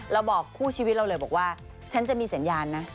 ผมบอกคู่ชีวิตเราว่าผมจะมีสัญญานนะ